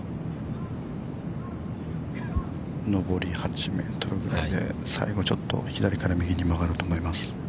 ◆残り８メートルぐらいで、最後、ちょっと左から右に曲がると思います。